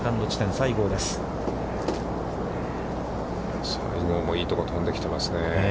西郷もいいところに飛んできていますね。